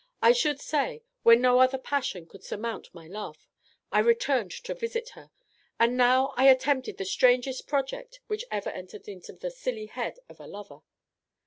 I should say, when no other passion could surmount my love, I returned to visit her; and now I attempted the strangest project which ever entered into the silly head of a lover.